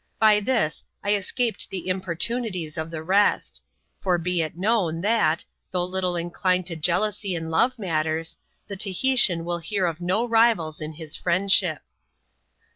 By this, I escaped the importunities of the restj for be it known, that, though little inclined to jealousy in lo?e matters, the Tahitian will hear of no rivals in his friendship.